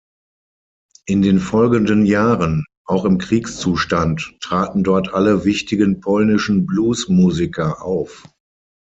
In den folgenden Jahren, auch im Kriegszustand, traten dort alle wichtigen polnischen Blues-Musiker auf.